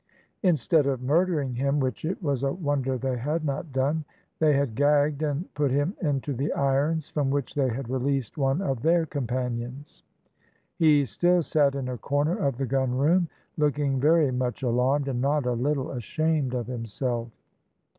Instead of murdering him, which it was a wonder they had not done, they had gagged and put him into the irons from which they had released one of their companions. He still sat in a corner of the gunroom, looking very much alarmed, and not a little ashamed of himself.